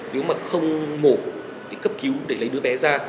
nếu mà không mổ để cấp cứu để lấy đứa bé ra